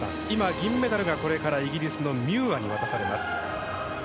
銀メダルがイギリスのミューアに渡されます。